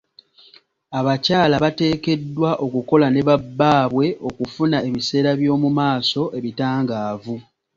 Abakyala bateekeddwa okukola ne ba bbaabwe okufuna ebiseere byomumaaso ebitangaavu.